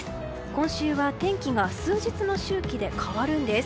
今週は天気が数日の周期で変わるんです。